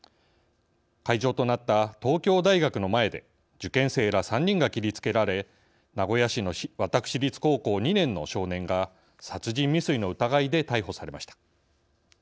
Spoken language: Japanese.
会場となった東京大学の前で受験生ら３人が切りつけられ名古屋市の私立高校２年の少年が殺人未遂の疑いで逮捕されました。